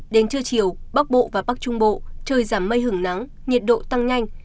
đến trưa chiều bắc bộ và bắc trung bộ trời giảm mây hưởng nắng nhiệt độ tăng nhanh